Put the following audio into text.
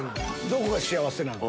どこが幸せなの？